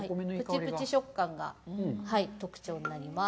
プチプチ食感が特徴になります。